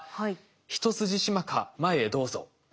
ヒトスジシマカ前へどうぞ。